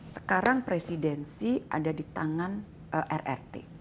sekarang presidensi ada di tangan rrt